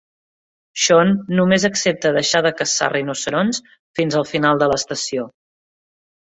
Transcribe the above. Sean només accepta deixar de caçar rinoceronts fins al final de l'estació.